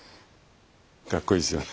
かっこいいですよね。